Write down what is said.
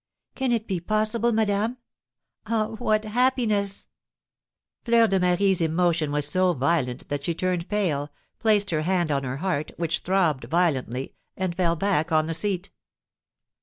"Can it be possible, madame? Ah, what happiness!" Fleur de Marie's emotion was so violent that she turned pale, placed her hand on her heart, which throbbed violently, and fell back on the seat.